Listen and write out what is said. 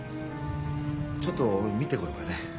ちょっと見てこようかね。